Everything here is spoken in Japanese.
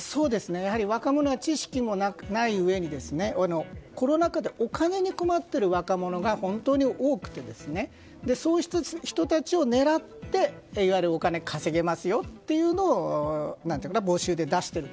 やはり若者は知識もないうえにコロナ禍でお金に困っている若者が本当に多くてそういう人たちを狙っていわゆるお金、稼げますよというのを募集で出していると。